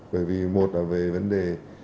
bởi vì một là về vấn đề